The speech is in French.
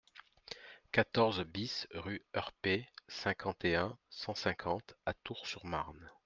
quatorze BIS rue Heurpé, cinquante et un, cent cinquante à Tours-sur-Marne